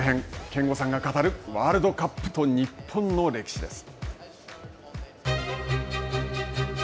憲剛さんが語るワールドカップと日本の歴史です。